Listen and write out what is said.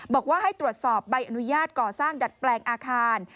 บอกว่าให้ตรวจสอบใบอนุญาตก่อสร้างดัดแปลงอาคาร